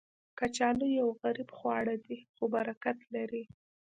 کچالو یو غریب خواړه دی، خو برکت لري